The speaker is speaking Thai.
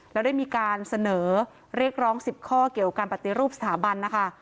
แล้วได้มีการเสนอเรียกร้อง๑๐ข้อเกี่ยวกับการปฏิรูปสถาบันนะคะ